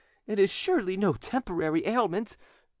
It is surely no temporary ailment.